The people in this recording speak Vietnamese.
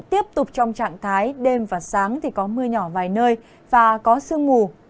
tiếp tục trong trạng thái đêm và sáng thì có mưa nhỏ vài nơi và có sương mù